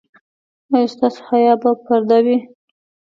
ایا ستاسو حیا به پرده وي؟